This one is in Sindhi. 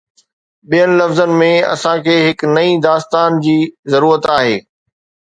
ٻين لفظن ۾، اسان کي هڪ نئين داستان جي ضرورت آهي.